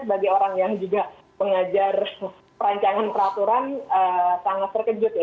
bagi orang yang juga mengajar perancangan peraturan sangat terkejut ya